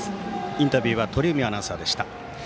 インタビューは鳥海アナウンサーでした。